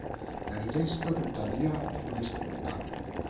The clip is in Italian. La richiesta, tuttavia, fu respinta.